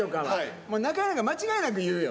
中居なんか間違いなく言うよ。